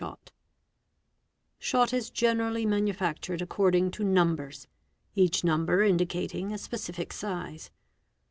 Shot is generally manufactured according to numbers, each number Indicating a specific size.